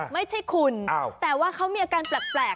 ไม่ใช่คุณแต่ว่าเขามีอาการแปลก